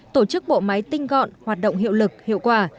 tổ chức bộ máy tinh gọn hoạt động hiệu lực hiệu quả